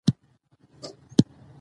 دا لویه ګناه ده.